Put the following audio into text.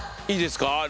いいですか？